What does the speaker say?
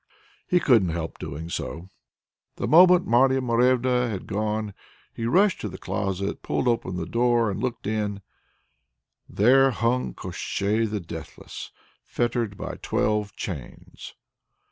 He couldn't help doing so. The moment Marya Morevna had gone he rushed to the closet, pulled open the door, and looked in there hung Koshchei the Deathless, fettered by twelve chains.